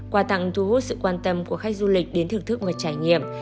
quà tặng thu hút sự quan tâm của khách du lịch đến thưởng thức và trải nghiệm